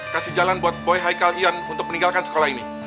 kasih jalan buat boy haikalian untuk meninggalkan sekolah ini